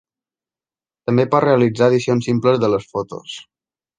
També pot realitzar edicions simples de les fotos.